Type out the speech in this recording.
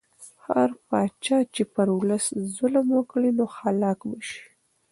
هر پاچا چې پر ولس ظلم وکړي نو هلاک به شي.